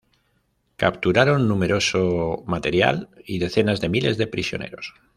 Capturaron numeroso material y decenas de miles de prisioneros.